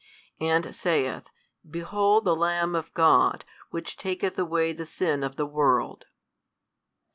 And saith, Behold the Lamb of God, Which taketh away the sin of the world.